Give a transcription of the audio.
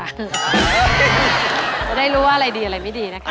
จะได้รู้ว่าอะไรดีอะไรไม่ดีนะคะ